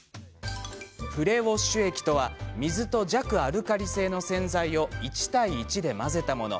プレウォッシュ液とは水と弱アルカリ性の洗剤を１対１で混ぜたもの。